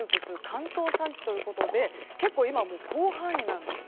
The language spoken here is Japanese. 関東山地ということで結構今、広範囲なんです。